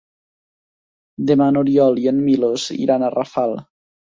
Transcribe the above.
Demà n'Oriol i en Milos iran a Rafal.